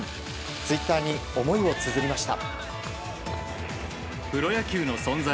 ツイッターに思いをつづりました。